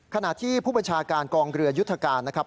ขณะที่ผู้บัญชาการกองเรือยุทธการนะครับ